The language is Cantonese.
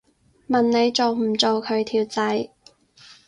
問你做唔做佢條仔